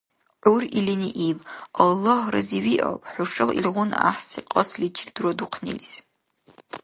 ГӀур илини иб: – Аллагь разивиаб хӀуша илгъуна гӀяхӀси кьасличил дурадухънилис.